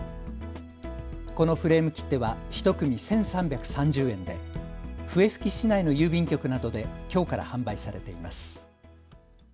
このフレーム切手は１組１３３０円で笛吹市内の郵便局などできょうから販売されています。